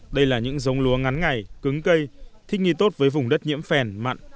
đây là những giống lúa ngắn ngày cứng cây thích nghi tốt với vùng đất nhiễm phèn mặn